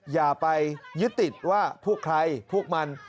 อย่าไปยึดติดว่าพวกใครพวกมัน